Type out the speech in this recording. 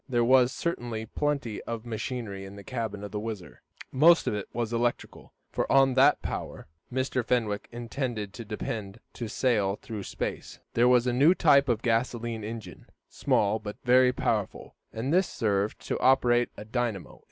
There was certainly plenty of machinery in the cabin of the WHIZZER. Most of it was electrical, for on that power Mr. Fenwick intended to depend to sail through space. There was a new type of gasolene engine, small but very powerful, and this served to operate a dynamo.